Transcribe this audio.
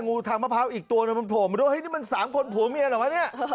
งูทางมะพร้าวอีกตัวนั้นมันโผล่มาดูอ้าวเฮ้ยนี่มันสามคนผัวมีอะไรเหรอวะเนี้ย